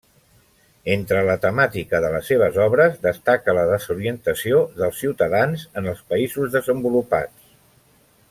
Entre la temàtica les seves obres destaca la desorientació dels ciutadans en els països desenvolupats.